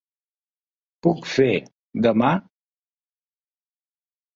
Puc fer, demà?